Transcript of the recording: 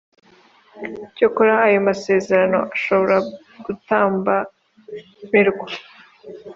Cyakora ayo masezerano ashobora gutambamirwa